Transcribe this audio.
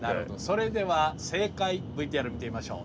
それでは正解ＶＴＲ見てみましょう。